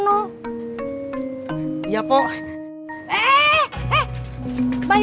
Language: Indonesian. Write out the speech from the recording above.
harusnya itu bawa dia lewati pisang